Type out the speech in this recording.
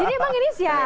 jadi emang ini siapa